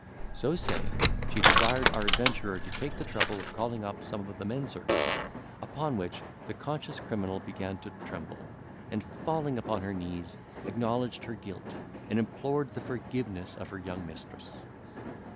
So saying, she desired our adventurer to take the trouble of calling up some of the men servants; upon which the conscious criminal began to tremble, and, falling upon her knees, acknowledged her guilt, and implored the forgiveness of her young mistress.